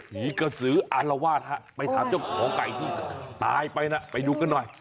ผีกระสืออารวาสฮะไปถามเจ้าของไก่ที่ตายไปนะไปดูกันหน่อย